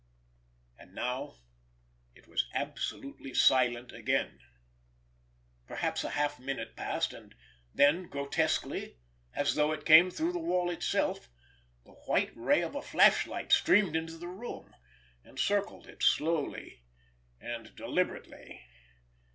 And now it was absolutely silent again. Perhaps a half minute passed, and then, grotesquely, as though it came through the wall itself, the white ray of a flashlight streamed into the room, and circled it slowly and deliberately.